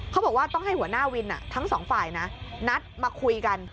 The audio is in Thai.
เขาบอกว่าต้องให้หัวหน้าวินทั้งสองฝ่ายนะนัดมาคุยกัน